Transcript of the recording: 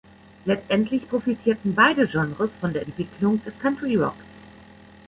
Letztendlich profitierten beide Genres von der Entwicklung des Country-Rocks.